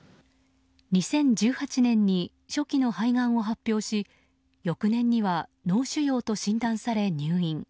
２０１８年に初期の肺がんを発表し翌年には脳腫瘍と診断され入院。